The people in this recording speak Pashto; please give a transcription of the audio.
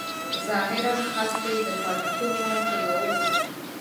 ظاهراً قصد یې د پاټکونو ټولول وو.